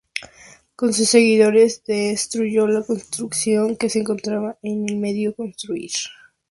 Con sus seguidores, destruyó la construcción que se encontraba a medio construir.